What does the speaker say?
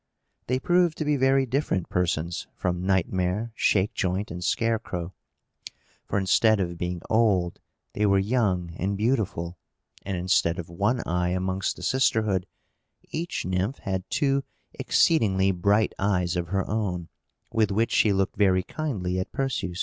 They proved to be very different persons from Nightmare, Shakejoint and Scarecrow; for, instead of being old, they were young and beautiful; and instead of one eye amongst the sisterhood, each Nymph had two exceedingly bright eyes of her own, with which she looked very kindly at Perseus.